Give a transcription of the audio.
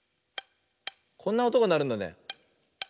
こんなおとがなるんだね。